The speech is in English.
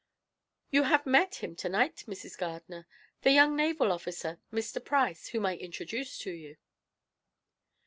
"You have met him to night, Mrs. Gardiner, the young naval officer, Mr. Price, whom I introduced to you."